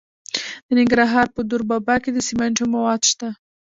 د ننګرهار په دور بابا کې د سمنټو مواد شته.